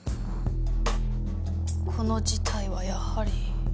この事態はやはり。